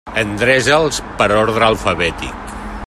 Endreça'ls per ordre alfabètic.